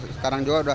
sekarang juga udah